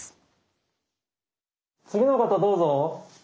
次の方どうぞ！